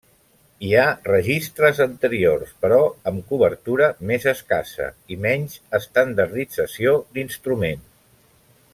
Hi ha registres anteriors però amb cobertura més escassa i menys estandardització d’instruments.